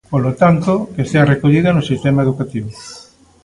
Polo tanto, que estea recollida no sistema educativo.